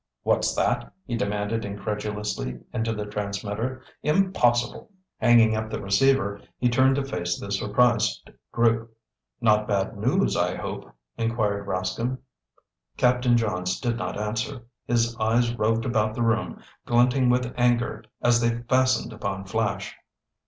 "What's that?" he demanded incredulously into the transmitter. "Impossible!" Hanging up the receiver, he turned to face the surprised group. "Not bad news I hope?" inquired Rascomb. Captain Johns did not answer. His eyes roved about the room, glinting with anger as they fastened upon Flash.